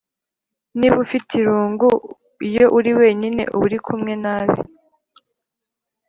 niba ufite irungu iyo uri wenyine, uba uri kumwe nabi.